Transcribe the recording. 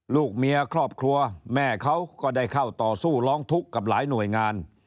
ลูกเมียครอบครัวแม่เขาก็ได้เข้าต่อสู้ร้องทุกข์กับหลายหน่วยงาน